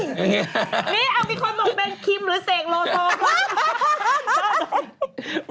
นี่เอามีคนงบเป็นคลิปหรือเสกโลลทอค